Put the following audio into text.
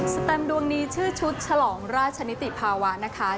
แตมดวงนี้ชื่อชุดฉลองราชนิติภาวะนะคะ